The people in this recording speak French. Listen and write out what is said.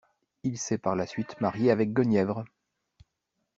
Il s'est par la suite marié avec Guenièvre.